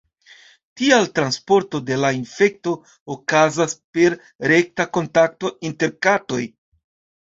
Tial transporto de la infekto okazas per rekta kontakto inter katoj.